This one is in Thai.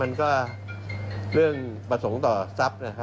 มันเรื่องประสงค์ต่อรับทรัพย์